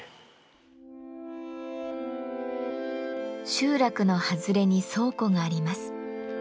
集落の外れに倉庫があります。